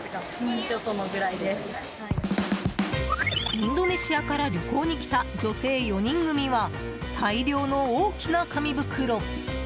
インドネシアから旅行に来た女性４人組は大量の大きな紙袋。